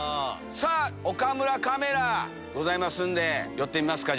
岡村カメラございますんで寄ってみますか。